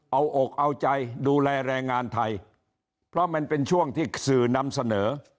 เอาอกเอาใจดูแลแรงงานไทยเพราะมันเป็นช่วงที่สื่อนำเสนอ